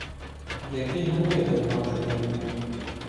Який гармидер бачу я!